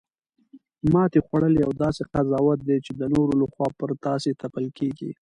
ماتې خوړل یو داسې قضاوت دی چې د نورو لخوا پر تاسې تپل کیږي